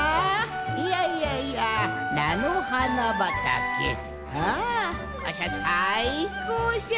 いやいやいやなのはなばたけあわしはさいこうじゃ！